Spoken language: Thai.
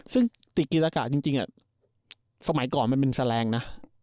ซึ่งติกีฬากะจริงสมัยก่อนมันเป็นแสลงนะ